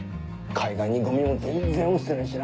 海岸にゴミも全然落ちてないしな。